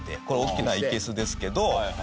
これ大きないけすですけど。